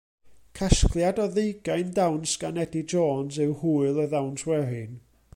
Casgliad o ddeugain dawns gan Eddie Jones yw Hwyl y Ddawns Werin.